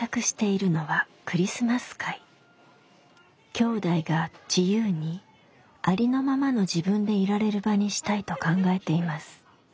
きょうだいが自由にありのままの自分でいられる場にしたいと考えています。